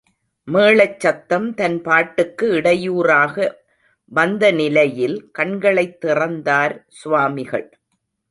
மேளச் சத்தம் தன் பாட்டுக்கு இடையூராக வந்த நிலையில் கண்களைத் திறந்தார் சுவாமிகள்.